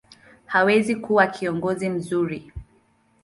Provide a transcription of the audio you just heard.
hawezi kuwa kiongozi mzuri.